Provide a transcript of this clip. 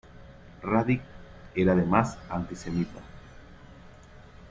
Radić era además antisemita.